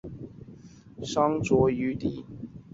因此宣称在古埃及出现的酵母最早证据仍有商酌余地。